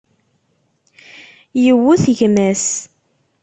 Yewwet gma-s.